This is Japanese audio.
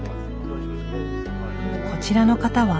こちらの方は？